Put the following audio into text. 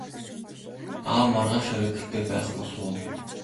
Аав маргааш орой гэртээ байх болов уу?